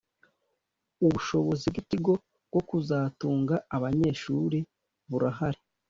Ubushobozi bw’ Ikigo bwo kuzatunga abanyeshuri burahari